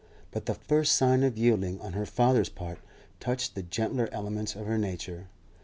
But the first sign of yielding on her father's part touched the gentler elements of her nature.